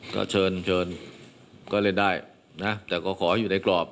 ก็เชิญเชิญก็เล่นได้นะแต่ก็ขออยู่ในกรอบ